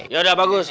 yaudah pak rt